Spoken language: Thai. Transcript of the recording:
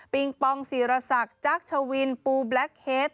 ปิงปองสีระสักจักรชวินปูแบล็คเฮด